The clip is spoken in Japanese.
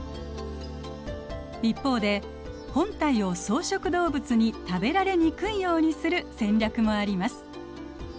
一方で本体を草食動物に食べられにくいようにする戦略もあります。